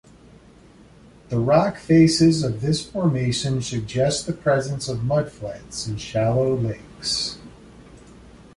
The rock facies of this formation suggest the presence of mudflats, and shallow lakes.